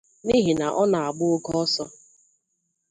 n'ihi na ọ na-agba oke ọsọ